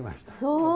そう。